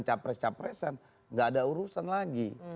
capres capresan nggak ada urusan lagi